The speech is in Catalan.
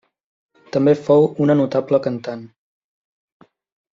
També fou una notable cantant.